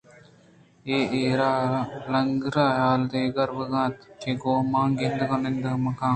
اے ایر لینگر ءِ حال دیگ ءَ روگ ءَ اِنت کہ گوں من گند ءُنند مہ کنت